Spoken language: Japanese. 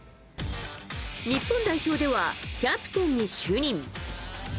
日本代表ではキャプテンに就任。